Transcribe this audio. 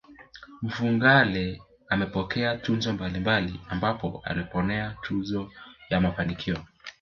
Mfugale amepokea tuzo mbalimbali ambapo alipokea tuzo ya mafanikio